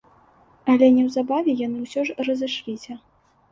Але неўзабаве яны ўсё ж разышліся.